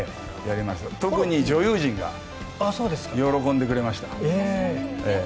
特に女優陣が喜んでくれました。